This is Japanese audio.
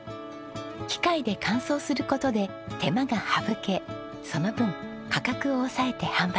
機械で乾燥する事で手間が省けその分価格を抑えて販売できます。